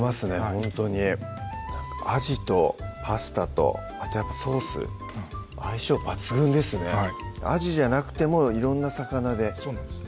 ほんとにあじとパスタとあとやっぱソース相性抜群ですねはいあじじゃなくても色んな魚でそうなんですね